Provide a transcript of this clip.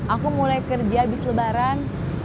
aku mulai kerja abis lebaran